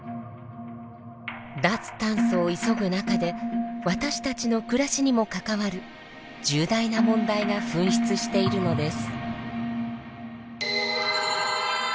脱炭素を急ぐ中で私たちの暮らしにも関わる重大な問題が噴出しているのです。